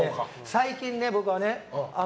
最近ね、僕はね